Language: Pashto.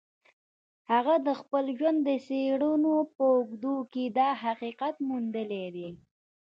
هغه د خپل ژوند د څېړنو په اوږدو کې دا حقیقت موندلی دی